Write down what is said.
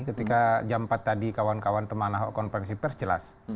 ketika jam empat tadi kawan kawan teman ahok konferensi pers jelas